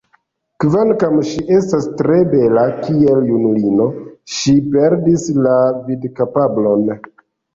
Kvankam ŝi estas tre bela, kiel junulino ŝi perdis la vidkapablon.